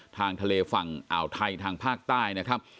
ทางทะเลฝั่งอ่าวไทยทางภาคใต้นะครับ